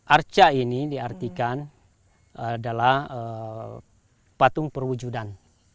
arca ini diartikan adalah patung perwujudan